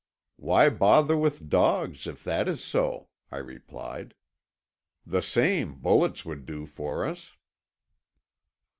"Why bother with dogs if that is so?" I replied. "The same bullets would do for us."